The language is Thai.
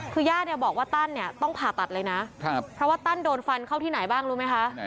คือญาติเนี่ยบอกว่าตั้นเนี่ยต้องผ่าตัดเลยนะเพราะว่าตั้นโดนฟันเข้าที่ไหนบ้างรู้ไหมคะ